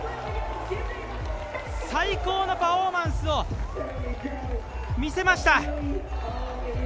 最高のパフォーマンスを見せました。